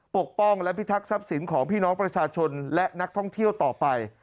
ปกป้องและพิทักษัพสินของพี่น้องประชาชนและนักท่องเที่ยวต่อไป